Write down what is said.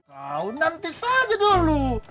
kau nanti saja dulu